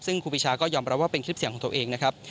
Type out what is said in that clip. ซึ่งครูปีชาก็ยอมรับว่าเป็นคลิปเสียงของตัวเองนะครับ